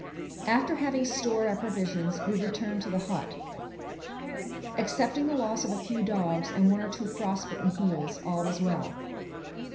After having stored our provisions, we returned to the hut. Excepting the loss of a few dogs and one or two frostbitten heels, all was well.